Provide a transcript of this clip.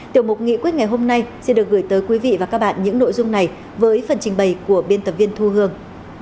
tiểu mục nghị quyết ngày hôm nay xin được gửi tới quý vị và các bạn những nội dung này với phần trình bày của biên tập viên thu hương